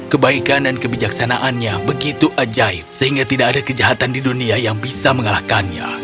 kebaikan dan kebijaksanaannya begitu ajaib sehingga tidak ada kejahatan di dunia yang bisa mengalahkannya